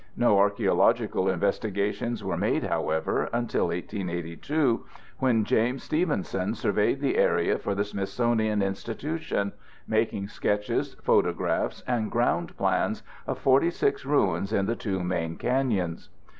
No archeological investigations were made, however, until 1882, when James Stevenson surveyed the area for the Smithsonian Institution, making sketches, photographs, and ground plans of 46 ruins in the two main canyons.